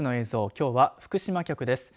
きょうは福島局です。